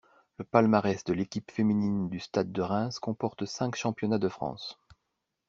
Le palmarès de l'équipe féminine du Stade de Reims comporte cinq championnats de France.